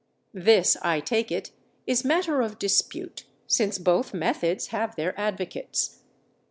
This, I take it, is matter of dispute, since both methods have their advocates.